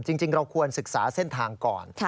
จริงเราควรศึกษาเส้นทางก่อน